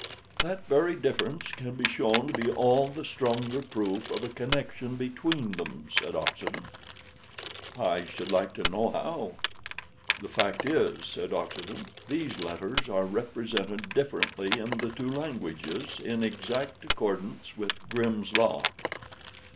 "That very difference can be shown to be all the stronger proof of a connection between them," said Oxenden. "I should like to know how." "The fact is," said Oxenden, "these letters are represented differently in the two languages in exact accordance with Grimm's Law."